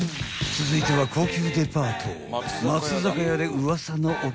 ［続いては高級デパート］